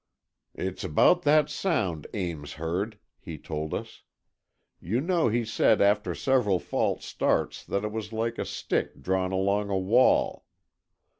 "It's about that sound Ames heard," he told us. "You know he said, after several false starts, that it was like a stick drawn along a wall.